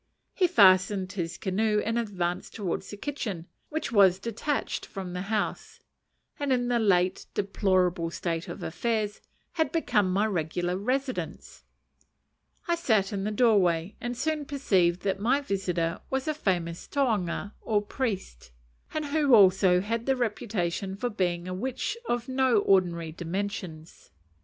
He fastened his canoe and advanced towards the kitchen, which was detached from the house, and, in the late deplorable state of affairs, had become my regular residence. I sat in the doorway, and soon perceived that my visitor was a famous tohunga, or priest, and who also had the reputation of being a witch of no ordinary dimensions.